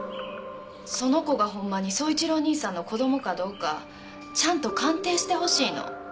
その子がほんまに宗一郎兄さんの子供かどうかちゃんと鑑定してほしいの。